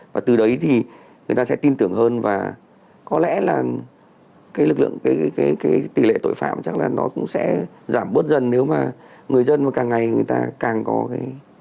và từ đấy thì người ta sẽ tin tưởng hơn và có lẽ là cái lực lượng tỷ lệ tội phạm chắc là nó cũng sẽ giảm bớt dần nếu mà người dân mà càng ngày người ta càng có cái